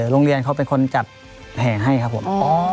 โรงเรียนเขาเป็นคนจัดแผงให้ครับผม